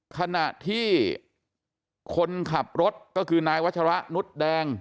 ขณะที่คนขับรถก็คือนายวัชระนุษย์แดง